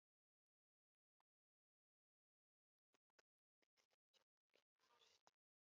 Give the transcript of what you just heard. په کان، مېز او جامو کې د انسان کار شته